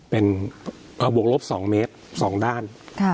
เป็นบวกลบ๒เมตร๒ด้าน